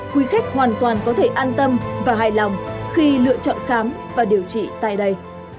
quý khách hoàn toàn có thể an tâm và hài lòng khi lựa chọn khám và điều trị tại đây